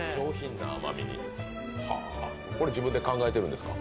これ、自分で考えてるんですか？